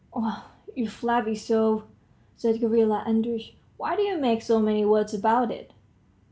.." "Ugh, you flabby soul!" said Gavrila Andreitch. "Why do you make so many words about it?"